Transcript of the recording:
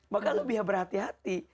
makanya lo biar berhati hati